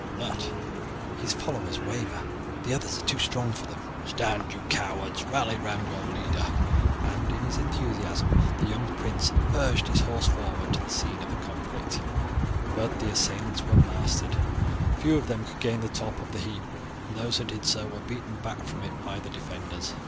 But his followers waver. The others are too strong for them. Stand, you cowards, rally round your leader!" and in his enthusiasm the young prince urged his horse forward to the scene of conflict. But the assailants were mastered; few of them could gain the top of the heap, and those who did so were beaten back from it by the defenders.